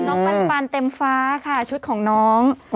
ปันเต็มฟ้าค่ะชุดของน้อง